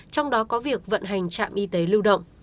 trong đó có việc vận hành trạm y tế lưu động